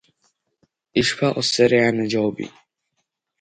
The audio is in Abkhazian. Ишԥаҟасҵари, анаџьалбеит?